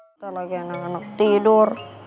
kita lagi anak anak tidur